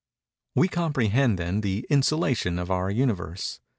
Page 62. We comprehend, then, the insulation of our Universe.